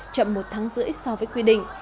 chậm một tháng rưỡi so với quy định